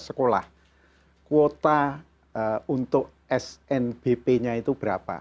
sekolah kuota untuk snbp nya itu berapa